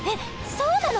そうなの！？